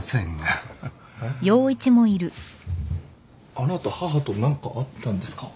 あの後母と何かあったんですか？